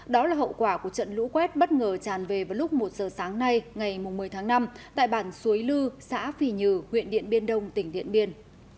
đó là hậu quả của trận lũ quét bất ngờ tràn về vào lúc một giờ sáng nay ngày một mươi tháng năm tại bản suối lư xã phì nhừ huyện điện biên đông tỉnh điện biên